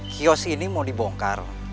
kiosk ini mau dibongkar